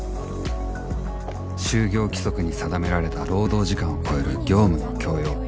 就業規則に定められた労働時間を超える業務の強要